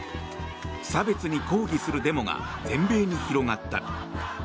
差別に抗議するデモが全米に広がった。